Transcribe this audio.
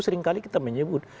seringkali kita menyebut